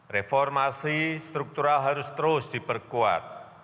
reformasi struktural harus terus diperkuat